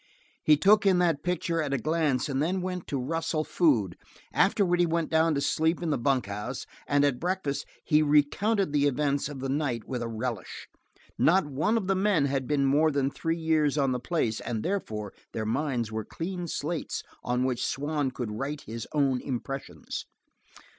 He took in that picture at a glance and then went to rustle food; afterward he went down to sleep in the bunkhouse and at breakfast he recounted the events of the night with a relish. Not one of the men had been more than three years on the place, and therefore their minds were clean slates on which Swann could write his own impressions.